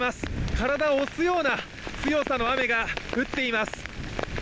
体を押すような強さの雨が降っています。